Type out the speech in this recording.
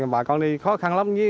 bà con đi khó khăn lắm